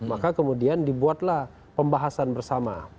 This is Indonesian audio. maka kemudian dibuatlah pembahasan bersama